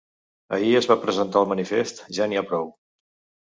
Ahir es va presentar el manifest Ja n’hi ha prou.